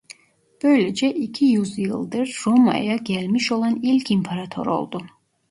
Böylece iki yüzyıldır Roma'ya gelmiş olan ilk imparator oldu.